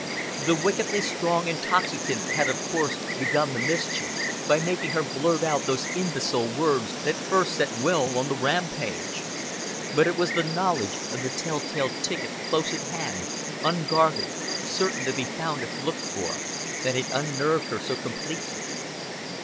The wickedly strong intoxicant had of course begun the mischief by making her blurt out those imbecile words that first set Will on the rampage; but it was the knowledge of the telltale ticket, close at hand, unguarded, certain to be found if looked for, that had unnerved her so completely.